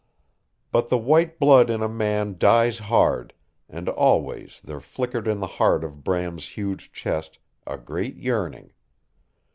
But the white blood in a man dies hard, and always there flickered in the heart of Bram's huge chest a great yearning.